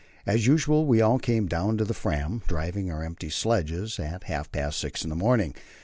As usual, we all came down to the Fram, driving our empty sledges, at half past six in the morning.